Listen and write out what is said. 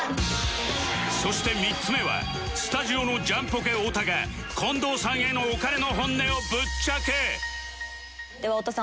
そして３つ目はスタジオのジャンポケ太田が近藤さんへのお金の本音をぶっちゃけでは太田さん